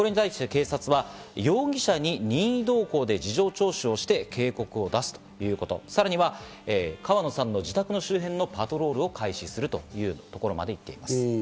これに対して警察は容疑者に任意同行で事情聴取をして警告を出すということ、さらには川野さんの自宅の周辺のパトロールを開始するというところまで行っています。